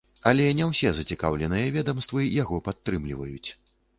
Але не ўсе зацікаўленыя ведамствы яго падтрымліваюць.